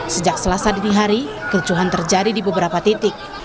sejak selasa dini hari kericuhan terjadi di beberapa titik